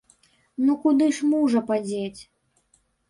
Ну куды ж мужа падзець?